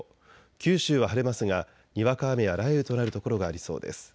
九州は晴れますが、にわか雨や雷雨となる所がありそうです。